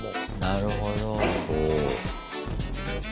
なるほど。